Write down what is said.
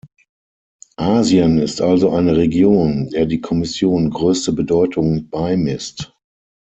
Asien ist also eine Region, der die Kommission größte Bedeutung beimisst.